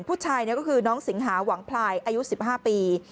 ผู้ชายก็คือน้องสิงหาหวังพลายอายุ๑๕ปี